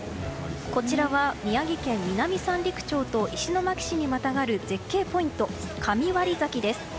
こちらは、宮城県南三陸町と石巻市にまたがる絶景ポイント、神割崎です。